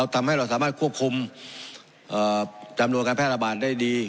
ทำให้เราสามารถควบคุมจำนวนการแพร่ระบาดได้ดี